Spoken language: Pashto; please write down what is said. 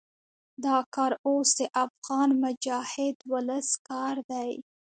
دا کار اوس د افغان مجاهد ولس کار دی.